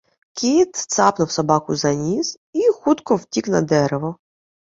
Кіт цапнув собаку за ніс і хутко втік на дерево